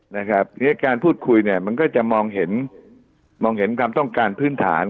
ในการพูดคุยมันก็จะมองเห็นความต้องการพื้นฐาน